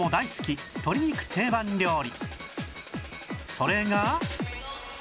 それが